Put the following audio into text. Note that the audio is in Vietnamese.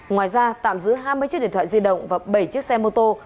ngoài ra tạm giữ hai mươi chiếc điện thoại di động và bảy chiếc xe mô tô